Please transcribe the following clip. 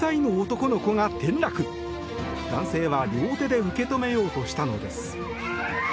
男性は、両手で受け止めようとしたのです。